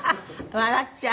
笑っちゃう。